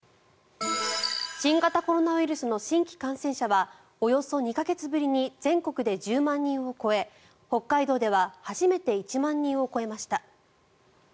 新型コロナウイルスの新規感染者はおよそ２か月ぶりに全国で１０万人を超え北海道では初めて１万人を超えました。